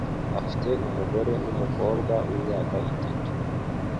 afite umugore numukobwa wimyaka itatu.